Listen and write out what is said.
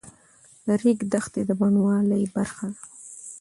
د ریګ دښتې د بڼوالۍ برخه ده.